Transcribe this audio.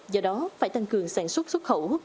do đó phải tăng cường sản xuất xuất khẩu